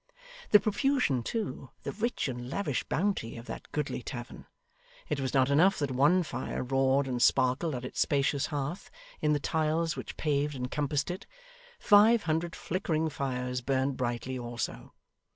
The profusion too, the rich and lavish bounty, of that goodly tavern! It was not enough that one fire roared and sparkled on its spacious hearth; in the tiles which paved and compassed it, five hundred flickering fires burnt brightly also.